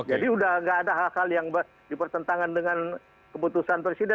jadi sudah tidak ada hal hal yang dipertentangan dengan keputusan presiden